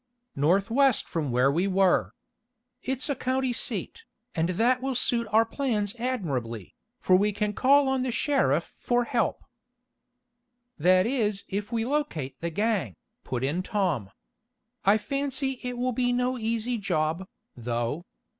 "Northwest from where we were. It's a county seat, and that will suit our plans admirably, for we can call on the sheriff for help." "That is if we locate the gang," put in Tom. "I fancy it will be no easy job, though.